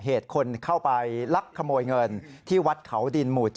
เหตุคนเข้าไปลักขโมยเงินที่วัดเขาดินหมู่๗